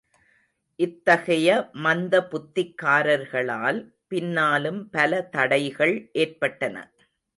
இத்தகைய மந்தபுத்திக்காரர்களால் பின்னாலும் பலதடைகள் ஏற்பட்டன.